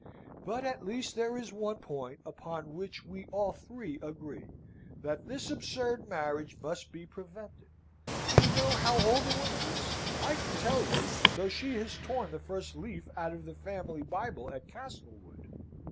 "But at least there is one point upon which we all three agree that this absurd marriage must be prevented. Do you know how old the woman is? I can tell you, though she has torn the first leaf out of the family Bible at Castlewood."